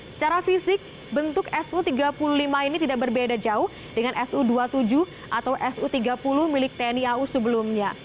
secara fisik bentuk su tiga puluh lima ini tidak berbeda jauh dengan su dua puluh tujuh atau su tiga puluh milik tni au sebelumnya